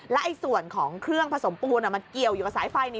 และส่วนของเครื่องผสมปูนมันเกี่ยวอยู่กับสายไฟนี่